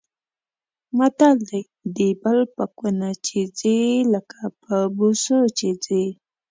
متل دی: د بل په کونه چې ځي لکه په بوسو چې ځي.